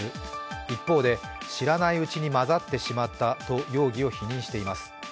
一方で、知らないうちに混ざってしまったと容疑を否認しています。